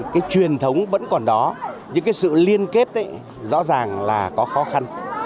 cái truyền thống vẫn còn đó những sự liên kết rõ ràng là có khó khăn